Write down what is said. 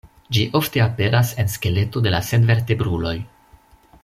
Ĝi ofte aperas en skeleto de la senvertebruloj.